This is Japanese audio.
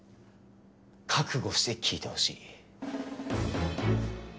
覚悟して聞いてほしい。